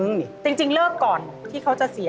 อเรนนี่มึงจริงเลิกก่อนที่เขาจะเสีย